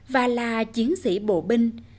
và là chiến sĩ bộ binh